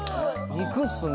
肉っすね。